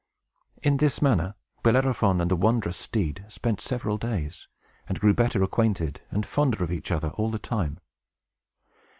In this manner, Bellerophon and the wondrous steed spent several days, and grew better acquainted and fonder of each other all the time.